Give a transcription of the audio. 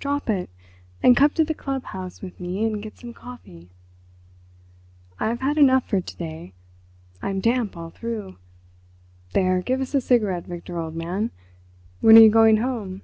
Drop it, and come to the Club House with me and get some coffee." "I've had enough for to day. I'm damp all through. There, give us a cigarette, Victor, old man. When are you going home?"